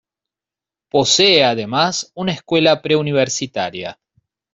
Posee, además, una escuela preuniversitaria.